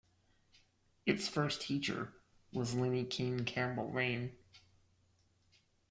Its first teacher was Linnie Keen Campbell Lane.